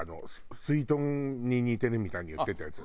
すいとんに似てるみたいに言ってたやつ。